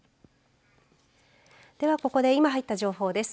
ではここで今入った情報です。